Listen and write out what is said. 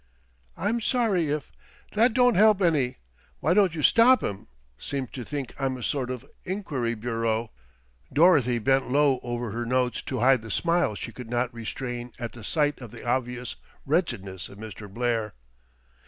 "I'm sorry if " "That don't help any. Why don't you stop 'em? Seem to think I'm a sort of enquiry bureau." Dorothy bent low over her notes to hide the smile she could not restrain at the sight of the obvious wretchedness of Mr. Blair.